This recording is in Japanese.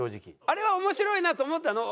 あれは面白いなと思ったの？